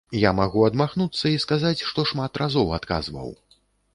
Я магу адмахнуцца і сказаць, што шмат разоў адказваў.